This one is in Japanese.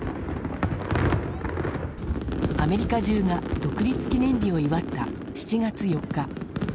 アメリカ中が独立記念日を祝った７月４日。